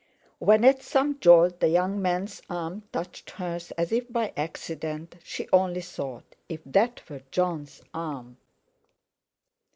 When, at some jolt, the young man's arm touched hers as if by accident, she only thought: 'If that were Jon's arm!'